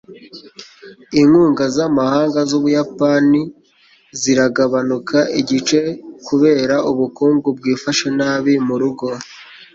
inkunga z'amahanga z'ubuyapani ziragabanuka igice kubera ubukungu bwifashe nabi mu rugo